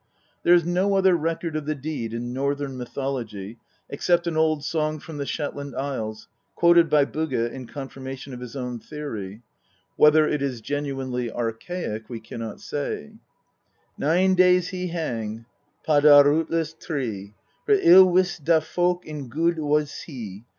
There is no other record of the deed in Northern mythology except an old song from the Shetland Isles, quoted by Bugge in confirmation of his own theory ; whether it is genuinely archaic we cannot say : Nine days he hang pa da rutless tree, For ill wis da folk, in gud wis lie.